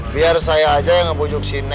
biar saya aja yang ngebujukin neng